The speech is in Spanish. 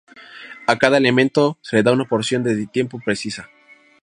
A cada elemento se le da una porción de tiempo precisa.